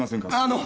あの！